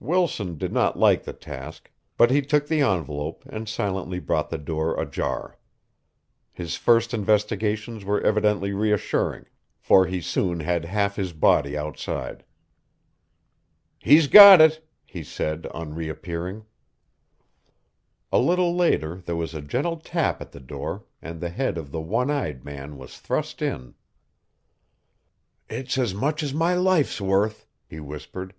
Wilson did not like the task, but he took the envelope and silently brought the door ajar. His first investigations were evidently reassuring, for he soon had half his body outside. "He's got it," he said on reappearing. A little later there was a gentle tap at the door, and the head of the one eyed man was thrust in. "It's as much as my life's worth," he whispered.